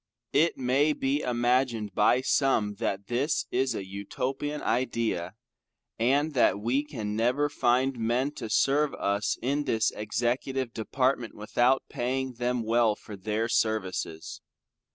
It may be imagined by some that this is an Utopian Idea, and that we can never find men to serve us in the Executive department, without paying them well for their services.